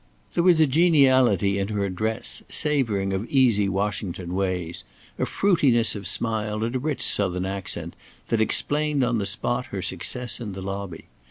There was a geniality in her address, savouring of easy Washington ways, a fruitiness of smile, and a rich southern accent, that explained on the spot her success in the lobby.